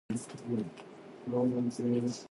絕對無啲咁既事